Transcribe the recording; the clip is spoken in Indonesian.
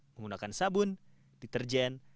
menggunakan sabun deterjen dan air